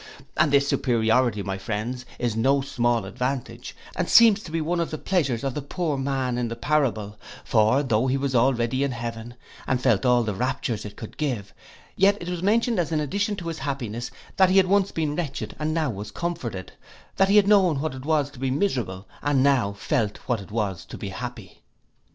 And this superiority, my friends, is no small advantage, and seems to be one of the pleasures of the poor man in the parable; for though he was already in heaven, and felt all the raptures it could give, yet it was mentioned as an addition to his happiness, that he had once been wretched and now was comforted, that he had known what it was to be miserable, and now felt what it was to be happy.